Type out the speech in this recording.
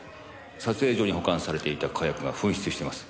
撮影所に保管されていた火薬が紛失してます。